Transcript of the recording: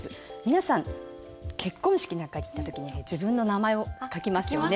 皆さん結婚式なんかに行った時には自分の名前を書きますよね。